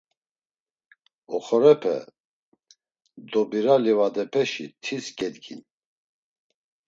Oxorepe, dobira livadepeşi tis gedgin.